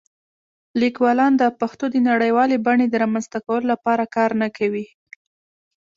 لیکوالان د پښتو د نړیوالې بڼې د رامنځته کولو لپاره کار نه کوي.